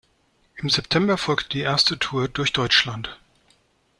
Im September folgte die erste Tour durch Deutschland.